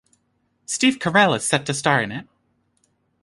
Steve Carell is set to star in it.